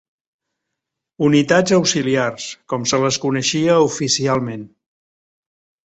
Unitats auxiliars, com se les coneixia oficialment.